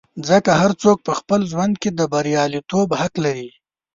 ځکه هر څوک په خپل ژوند کې د بریالیتوب حق لري.